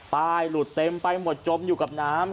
ป้ายหลุดเต็มป้ายหมวดจมอยู่กับน้ำ